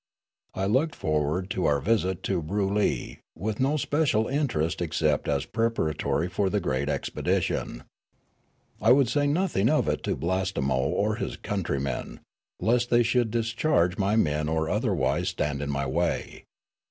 I looked forward to our visit to Broolyi with no special interest except as preparatory for the great expedition, I would say nothing of it to Blastemo or his country men, lest they should discourage my men or otherwise stand in my w^ay.